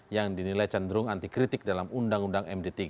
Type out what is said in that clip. yang dinilai cenderung antikritik dalam undang undang md tiga